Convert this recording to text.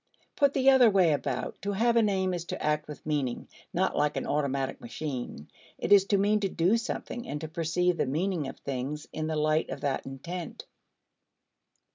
Put the other way about, to have an aim is to act with meaning, not like an automatic machine; it is to mean to do something and to perceive the meaning of things in the light of that intent.